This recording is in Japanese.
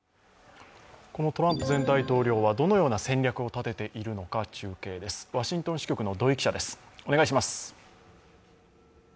このトランプ前大統領はどのような戦略を立てているのか中継です、ワシントン支局の土居記者です。